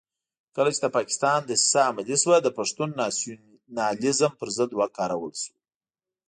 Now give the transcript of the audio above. کله چې د پاکستان دسیسه عملي شوه د پښتون ناسیونالېزم پر ضد وکارول شو.